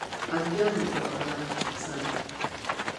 Акгьы алымҵыр ҟалап, саб.